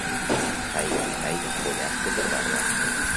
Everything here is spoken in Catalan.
Caiga qui caiga, pollastre per barba.